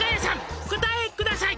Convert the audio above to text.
お答えください」